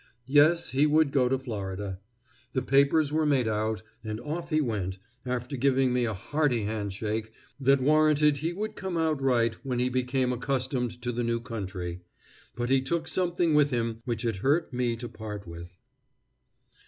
Yes, he would go to Florida. The papers were made out, and off he went, after giving me a hearty hand shake that warranted he would come out right when he became accustomed to the new country; but he took something with him which it hurt me to part with.